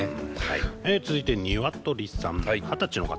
続いてニワトリさん二十歳の方。